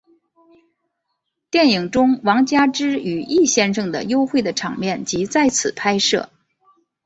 电影中王佳芝与易先生的幽会的场面即在此拍摄。